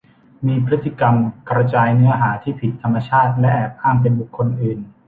มีพฤติกรรมกระจายเนื้อหาที่ผิดธรรมชาติและแอบอ้างเป็นบุคคลอื่น